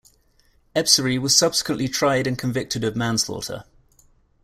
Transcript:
Ebsary was subsequently tried and convicted of manslaughter.